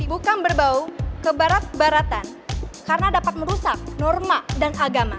bukan berbau ke baratan karena dapat merusak norma dan agama